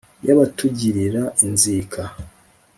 y’abatugirira inzika.